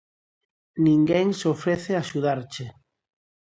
Ninguén se ofrece a axudarche.